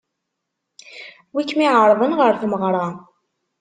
Wi kem-iɛeṛḍen ɣer tmeɣṛa?